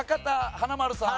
華丸さん。